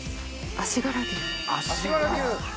足柄牛！